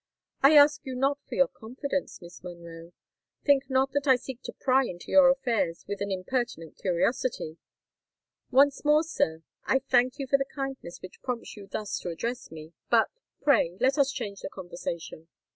"I ask you not for your confidence, Miss Monroe: think not that I seek to pry into your affairs with an impertinent curiosity——" "Once more, sir, I thank you for the kindness which prompts you thus to address me; but—pray, let us change the conversation."